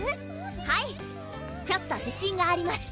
はいちょっと自信があります